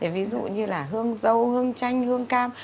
ví dụ như là hương dâu hương chanh hương cam